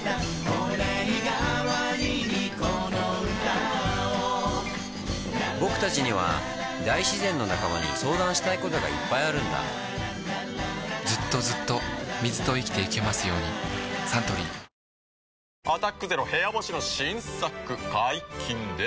御礼がわりにこの歌をぼくたちには大自然の仲間に相談したいことがいっぱいあるんだずっとずっと水と生きてゆけますようにサントリー「アタックＺＥＲＯ部屋干し」の新作解禁です。